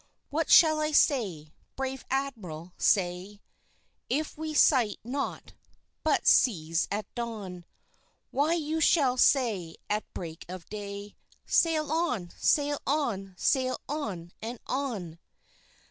"What shall I say, brave Admiral, say, If we sight naught but seas at dawn?" "Why you shall say at break of day, Sail on! Sail on! Sail on! and on!"